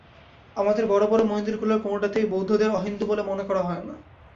আমাদের বড় বড় মন্দিরগুলিরকোনটাতেই বৌদ্ধদের অহিন্দু বলে মনে করা হয় না।